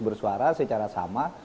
bersuara secara sama